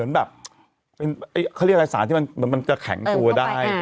เขาเรียกอะไรสารที่มันจะแข็งกูลได้